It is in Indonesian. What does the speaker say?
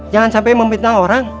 jangan sampai mempitnah orang